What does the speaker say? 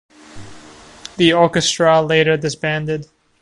The orchestra later disbanded.